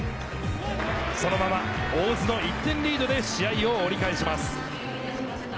そのまま大津の１点リードで試合を折り返します。